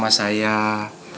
dan saya berterima kasih